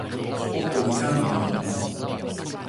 oko li kama lon ona!